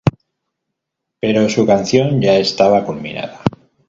Pero su canción ya estaba culminada.